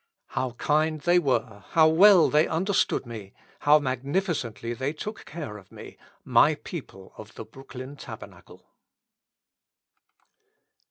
How kind they were, how well they understood me, how magnificently they took care of me, my people of the Brooklyn Tabernacle!